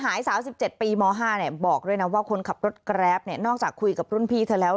หายสาว๑๗ปีม๕บอกด้วยนะว่าคนขับรถแกรปนอกจากคุยกับรุ่นพี่เธอแล้ว